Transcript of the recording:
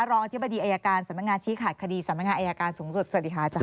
อธิบดีอายการสำนักงานชี้ขาดคดีสำนักงานอายการสูงสุดสวัสดีค่ะอาจาร